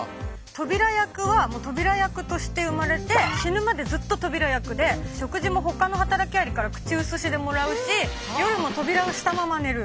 トビラ役はトビラ役として生まれて死ぬまでずっとトビラ役で食事も他の働きアリから口移しでもらうし夜もトビラをしたまま寝る。